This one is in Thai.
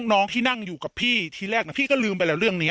น้องที่นั่งอยู่กับพี่ทีแรกพี่ก็ลืมไปแล้วเรื่องนี้